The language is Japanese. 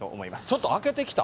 ちょっと明けてきた？